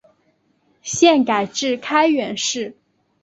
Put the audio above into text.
现改置开原市。